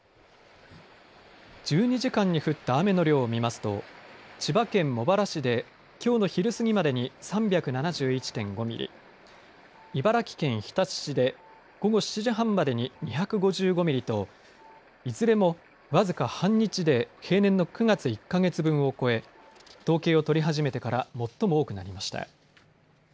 １２時間に降った雨の量を見ますと千葉県茂原市できょうの昼過ぎまでに３７１．５ミリ、茨城県日立市で午後７時半までに２５５ミリといずれも僅か半日で平年の９月１か月分を超え統計を取り始めてから最も多くなりました。